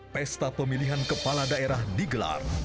pesta pemilihan kepala daerah digelar